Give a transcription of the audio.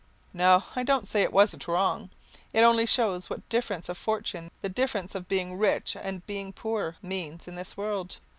No, I don't say it wasn't wrong. It only shows what difference of fortune, the difference of being rich and being poor, means in this world.